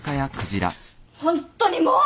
ホントにもう！